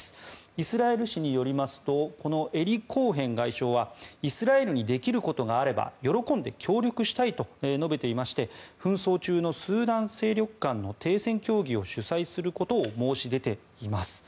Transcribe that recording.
イスラエル紙によりますとこのエリ・コーヘン外相はイスラエルにできることがあれば喜んで協力したいと述べていまして紛争中のスーダン勢力間の停戦協議を主催することを申し出ています。